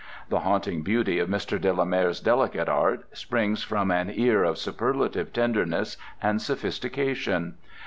The haunting beauty of Mr. de la Mare's delicate art springs from an ear of superlative tenderness and sophistication.